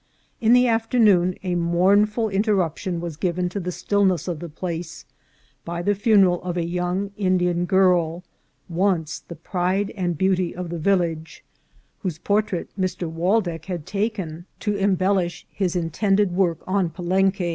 In the afternoon a mournful interruption was given to the stillness of the place by the funeral of a young Indian girl, once the pride and beauty of the village, whose portrait Mr. Waldeck had taken to em 360 INCIDENTS OF TRAVEL. hellish his intended work on Palenque.